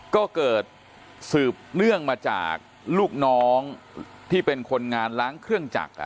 ก็เกิดสืบเนื่องมาจากลูกน้องที่เป็นคนงานล้างเครื่องจักร